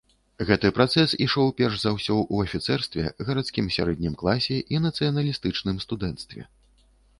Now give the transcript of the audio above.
Гэты працэс ішоў перш за ўсё ў афіцэрстве, гарадскім сярэднім класе і нацыяналістычным студэнцтве.